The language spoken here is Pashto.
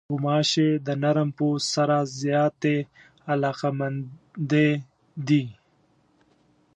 غوماشې د نرم پوست سره زیاتې علاقمندې دي.